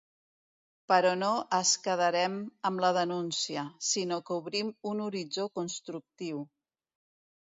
Però no es quedarem amb la denúncia, sinó que obrim un horitzó constructiu.